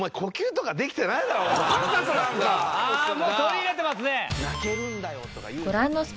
もう取り入れてますね。